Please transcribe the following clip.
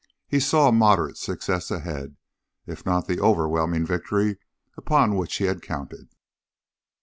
He saw a moderate success ahead, if not the overwhelming victory upon which he had counted.